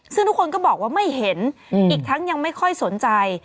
ซึ่งทุกคนก็บอกว่าไม่เห็นอีกทั้งยังไม่ค่อยสนใจ